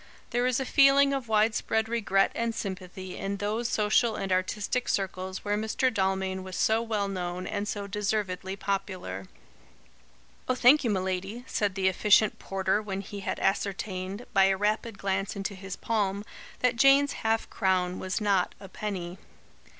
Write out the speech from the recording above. There is a feeling of wide spread regret and sympathy in those social and artistic circles where Mr. Dalmain was so well known and so deservedly popular." "Oh, thank you, m'lady," said the efficient porter when he had ascertained, by a rapid glance into his palm, that Jane's half crown was not a penny.